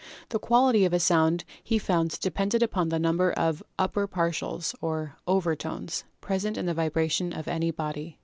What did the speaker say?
The Quality of a sound he found depended upon the number of "upper partials," or "overtones," pres ent in the vibration of any body.